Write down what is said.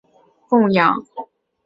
但性力派女神要血肉供养。